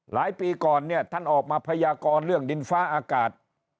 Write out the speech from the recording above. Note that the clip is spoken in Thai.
ปีก่อนเนี่ยท่านออกมาพยากรเรื่องดินฟ้าอากาศ